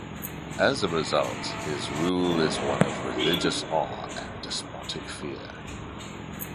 As a result, his rule is one of religious awe and despotic fear.